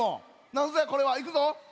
なんぞやこれは。いくぞ。